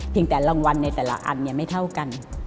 เพียงแต่รางวัลในแต่ละอันไม่เท่ากัน